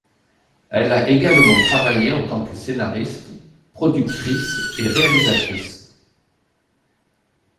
Elle a également travaillé en tant que scénariste, productrice et réalisatrice.